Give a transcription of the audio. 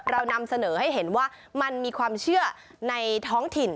เรานำเสนอให้เห็นว่ามันมีความเชื่อในท้องถิ่น